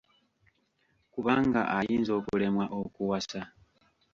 Kubanga ayinza okulemwa okuwasa.